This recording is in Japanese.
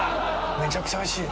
めちゃくちゃおいしい。